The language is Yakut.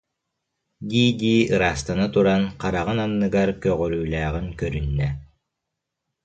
дии-дии ыраастана туран, хараҕын анныгар көҕөрүүлээҕин көрүннэ